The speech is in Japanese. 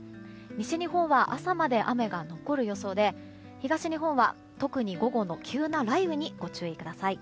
西日本は朝まで雨が残る予想で東日本は特に午後の急な雷雨にご注意ください。